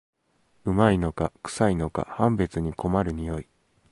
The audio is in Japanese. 旨いのかくさいのか判別に困る匂い